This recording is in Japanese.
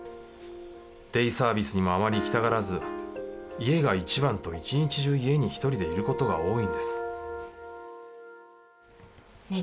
デイサービスにもあまり行きたがらず「家が一番」と一日中家に一人でいる事が多いんですねえ